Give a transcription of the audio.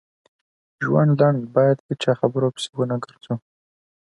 ژوند لنډ بايد هيچا خبرو پسی ونه ګرځو